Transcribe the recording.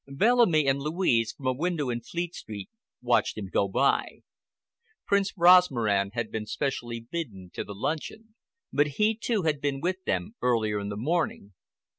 Bellamy and Louise, from a window in Fleet Street, watched him go by. Prince Rosmaran had been specially bidden to the luncheon, but he, too, had been with them earlier in the morning.